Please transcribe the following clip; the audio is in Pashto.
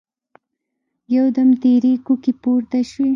يودم تېرې کوکې پورته شوې.